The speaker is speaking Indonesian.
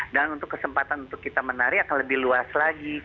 dan untuk kesempatan untuk kita menari akan lebih luas lagi